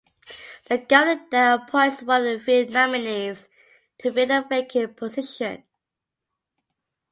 The Governor then appoints one of the three nominees to fill the vacant position.